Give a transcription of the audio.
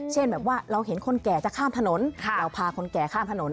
เช่นแบบว่าเราเห็นคนแก่จะข้ามถนนเราพาคนแก่ข้ามถนน